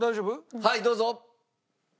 はいどうぞ！